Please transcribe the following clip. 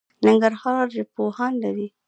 ننګرهار ژبپوهان لري